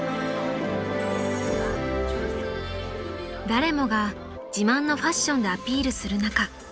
［誰もが自慢のファッションでアピールする中］